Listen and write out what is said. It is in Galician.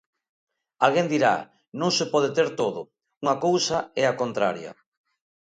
Alguén dirá, non se pode ter todo, unha cousa e a contraria.